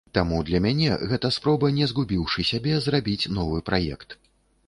Таму для мяне гэта спроба не згубіўшы сябе, зрабіць новы праект.